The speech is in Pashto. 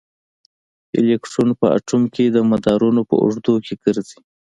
الکترون په اټوم کې د مدارونو په اوږدو کې ګرځي.